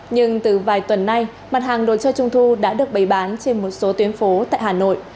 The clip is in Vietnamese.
nhưng từ vài tuần nay mặt hàng đồ chơi trung thu đã được bày bán trên một số tuyến phố tại hà nội